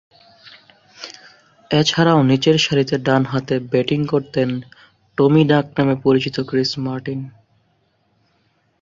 এছাড়াও নিচেরসারিতে ডানহাতে ব্যাটিং করতেন ‘টমি’ ডাকনামে পরিচিত ক্রিস মার্টিন।